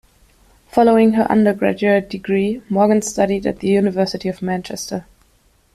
Following her undergraduate degree, Morgan studied at the University of Manchester.